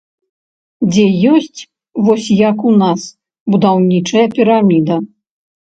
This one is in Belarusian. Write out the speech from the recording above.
Дзе ёсць, вось як у нас, будаўнічая піраміда.